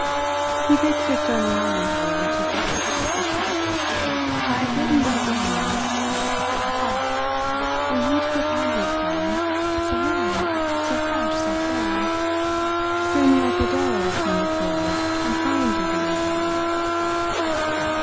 He fixed a stony eye on her, and she blushed. "I have written these lines: "'Ah, will you to a convent fly, So young, so fresh, so fair? Spring like a doe upon the fields And find your beauty there.